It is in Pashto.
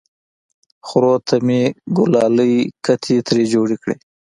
خرو ته مې ګلالۍ کتې ترې جوړې کړې!